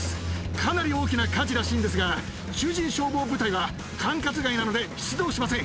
かなり大きな火事らしいんですが、囚人消防部隊は管轄外なので、出動しません。